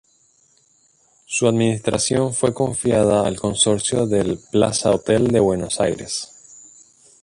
Su administración fue confiada al consorcio del Plaza Hotel de Buenos Aires.